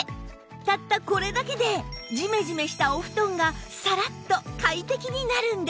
たったこれだけでジメジメしたお布団がサラッと快適になるんです